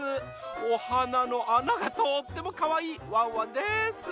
おはなのあながとってもかわいいワンワンです！